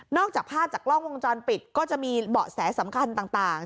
จากภาพจากกล้องวงจรปิดก็จะมีเบาะแสสำคัญต่าง